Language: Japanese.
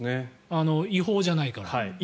違法じゃないから。